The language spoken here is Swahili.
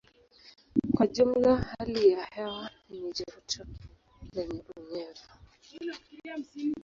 Kwa jumla hali ya hewa ni joto lenye unyevu.